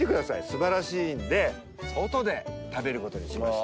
素晴らしいんで外で食べる事にしました！